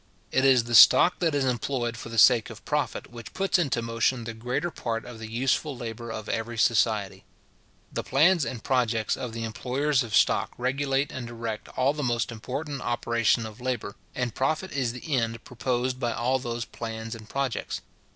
It is the stock that is employed for the sake of profit, which puts into motion the greater part of the useful labour of every society. The plans and projects of the employers of stock regulate and direct all the most important operation of labour, and profit is the end proposed by all those plans and projects.